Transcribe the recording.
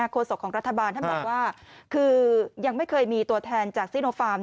โศกของรัฐบาลท่านบอกว่าคือยังไม่เคยมีตัวแทนจากซิโนฟาร์ม